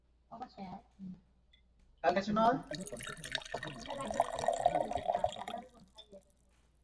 মাঝেমধ্যেই তিনি জনসাধারণের সঙ্গে মিশতেন এবং সবার সঙ্গে অভিজ্ঞতা ভাগাভাগি করতেন।